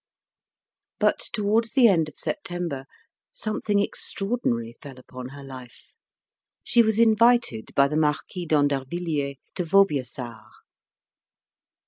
But towards the end of September something extraordinary fell upon her life; she was invited by the Marquis d'Andervilliers to Vaubyessard.